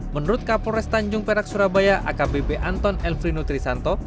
menurut kapolres tanjung perak surabaya akbp anton elfrino trisanto